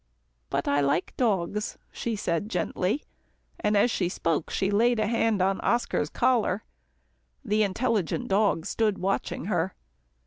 "But I like dogs," she said gently, and as she spoke, she laid a hand on Oscar's collar. The intelligent dog stood watching her.